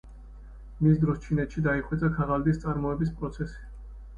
მის დროს ჩინეთში დაიხვეწა ქაღალდის წარმოების პროცესი.